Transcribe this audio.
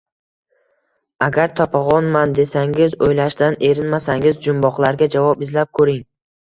Agar topagʻonman desangiz, oʻylashdan erinmasangiz, jumboqlarga javob izlab koʻring